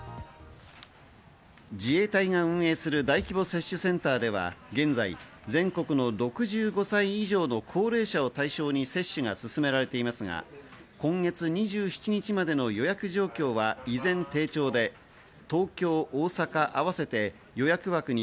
自衛隊が運営する大規模接種センターでは現在、全国の６５歳以上の高齢者を対象に接種が進められていますが、今月２７日までの予約状況は依然低調で、東京、大阪合わせて予約枠員